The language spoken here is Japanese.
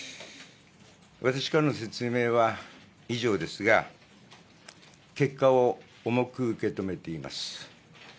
私からの説明は以上ですが、結果を重く受け止めています。